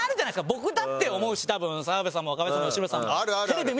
僕だって思うし多分澤部さんも若林さんも吉村さんも。